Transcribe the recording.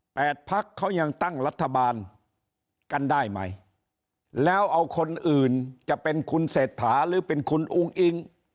พักเขายังตั้งรัฐบาลกันได้ไหมแล้วเอาคนอื่นจะเป็นคุณเศรษฐาหรือเป็นคุณอุ้งอิง